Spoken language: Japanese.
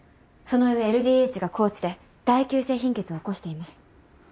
その上ＬＤＨが高値で大球性貧血を起こしています。